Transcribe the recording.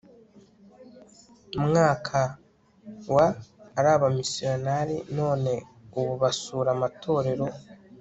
mwaka wa ari abamisiyonari none ubu basura amatorero